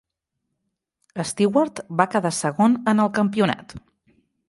Stewart va quedar segon en el campionat.